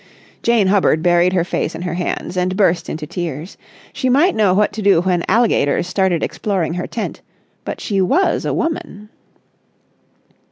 Jane Hubbard buried her face in her hands and burst into tears. She might know what to do when alligators started exploring her tent, but she was a woman.